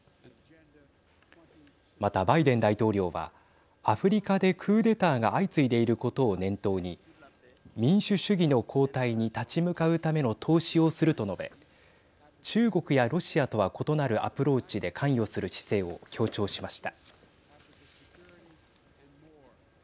またバイデン大統領はアフリカでクーデターが相次いでいることを念頭に民主主義の後退に立ち向かうための投資をすると述べ中国やロシアとは異なるアプローチで関与する姿勢を強調しました。